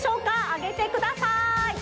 あげてください。